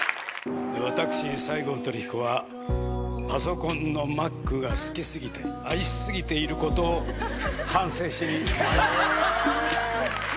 私、西郷輝彦はパソコンのマックが好きすぎて、愛しすぎていることを反省しにまいりました。